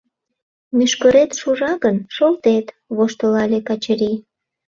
— Мӱшкырет шужа гын, шолтет, — воштылале Качырий.